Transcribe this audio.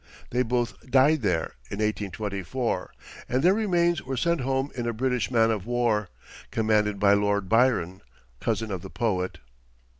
They both died there, in 1824, and their remains were sent home in a British man of war, commanded by Lord Byron, cousin of the poet.